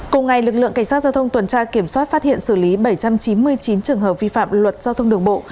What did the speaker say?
cùng ngày lực lượng cảnh sát giao thông tuần tra kiểm soát phát hiện xử lý bảy trăm chín mươi chín trường hợp vi phạm luật giao thông đường bộ